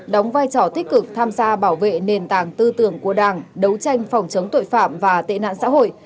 đóng vai trò tích cực tham gia bảo vệ nền tảng tư tưởng của đảng đấu tranh phòng chống tội phạm và tệ nạn xã hội